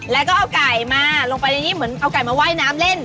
แล้วก็เอาไก่มาลงไปในนี้เหมือนเอาไก่มาว่ายน้ำเล่น